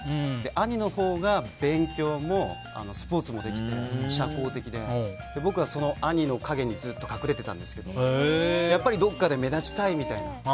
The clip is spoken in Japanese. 兄のほうが勉強もスポーツもできて社交的で、僕はその兄の影にずっと隠れてたんですけどやっぱりどこかで目立ちたいみたいな。